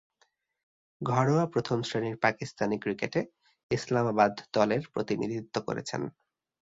ঘরোয়া প্রথম-শ্রেণীর পাকিস্তানি ক্রিকেটে ইসলামাবাদ দলের প্রতিনিধিত্ব করছেন।